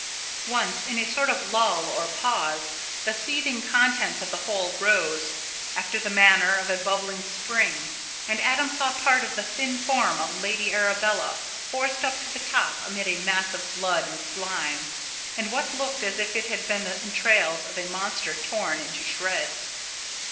Once, in a sort of lull or pause, the seething contents of the hole rose, after the manner of a bubbling spring, and Adam saw part of the thin form of Lady Arabella, forced up to the top amid a mass of blood and slime, and what looked as if it had been the entrails of a monster torn into shreds.